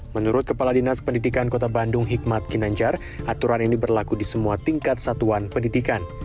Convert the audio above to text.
menurut kepala dinas pendidikan kota bandung hikmat kinanjar aturan ini berlaku di semua tingkat satuan pendidikan